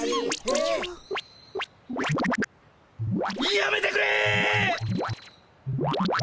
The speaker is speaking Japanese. やめてくれ！